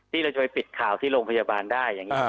ที่เราจะไปปิดข่าวที่โรงพยาบาลได้อย่างนี้